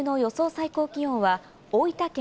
最高気温は大分県